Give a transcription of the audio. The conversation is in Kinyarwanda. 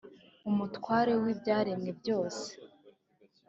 Umutware w’ibyaremwe byose